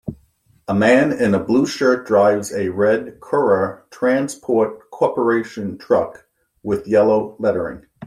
A man in a blue shirt drives a red Khera Transport Corp. truck with yellow lettering.